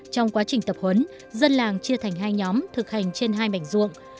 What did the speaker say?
trong quá trình tập huấn dân làng chia thành hai nhóm thực hành trên hai mảnh ruộng